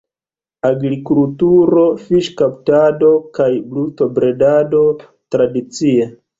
Agrikulturo, fiŝkaptado kaj brutobredado tradicie.